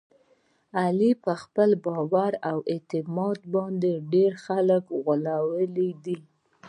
علي په خپل باور او اعتماد باندې ډېر خلک غولولي دي.